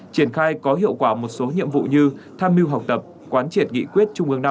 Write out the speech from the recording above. triển khai có hiệu quả một số nhiệm vụ như tham mưu học tập quán triệt nghị quyết trung ương năm